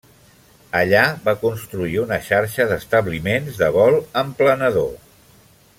Allà va construir una xarxa d'establiments de vol en planador.